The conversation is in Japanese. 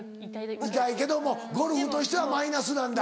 いたいけどもゴルフとしてはマイナスなんだ。